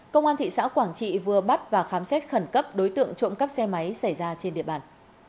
công an thị xã quảng trị vừa bắt và khám xét khẩn cấp đối tượng trộm cắp xe máy xảy ra trên địa bàn